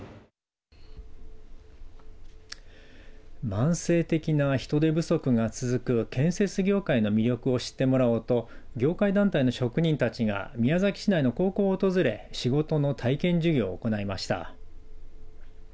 慢性的な人手不足が続く建設業界の魅力を知ってもらおうと業界団体の職人たちが宮崎市内の高校を訪れ仕事の体験授業を行いました。